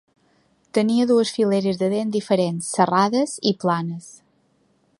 Tènia dues fileres de dents diferents, serrades i planes.